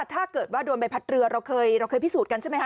ถ้าเกิดว่าโดนใบพัดเรือเราเคยเราเคยพิสูจน์กันใช่ไหมค